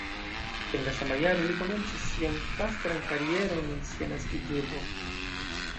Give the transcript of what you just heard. En la sama jaro li komencis sian pastran karieron en sia naskiĝurbo.